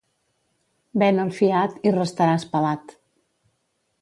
Ven al fiat i restaràs pelat.